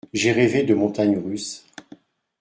J’ai rêvé de montagnes russes.